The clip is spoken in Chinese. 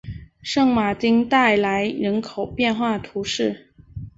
圣马丁代来人口变化图示